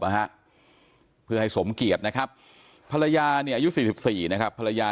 นะฮะเพื่อให้สมเกียรตินะครับภรรยาเนี่ยอายุ๔๔นะครับภรรยา